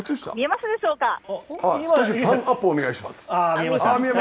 少し、パーンアップお願いします。